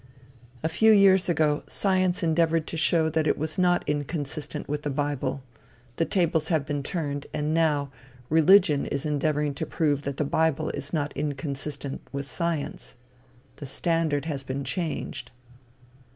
A few years ago, Science endeavored to show that it was not inconsistent with the bible. The tables have been turned, and now, Religion is endeavoring to prove that the bible is not inconsistent with Science. The standard has been changed.